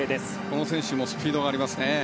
この選手もスピードがありますね。